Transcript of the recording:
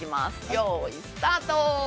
よーい、スタート。